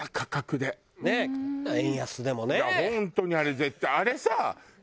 本当にあれ絶対あれさ。